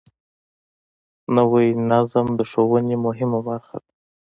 نوی نظم د ښوونې مهمه برخه ده